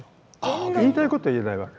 言いたいことを言えないわけ。